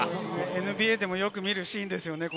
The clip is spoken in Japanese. ＮＢＡでもよく見るシーンですよね。